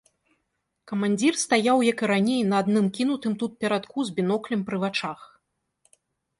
Камандзір стаяў, як і раней, на адным кінутым тут перадку, з біноклем пры вачах.